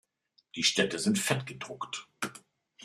Die Städte sind fett gedruckt.